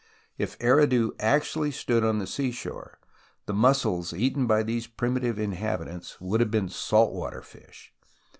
If Eridu actually stood on the seashore, the mussels eaten by these primitive inhabitants would have been salt water fish.